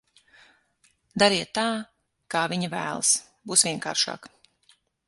Dariet tā, kā viņa vēlas, būs vienkāršāk.